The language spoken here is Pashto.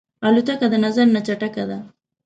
الوتکه د نظر نه چټکه ده.